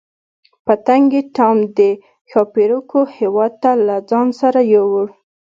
پتنګې ټام د ښاپیرکو هیواد ته له ځان سره یووړ.